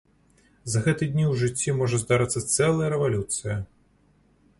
За гэтыя дні ў жыцці можа здарыцца цэлая рэвалюцыя!